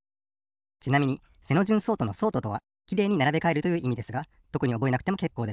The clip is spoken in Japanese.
ちなみに背の順ソートのソートとはきれいにならべかえるといういみですがとくにおぼえなくてもけっこうです。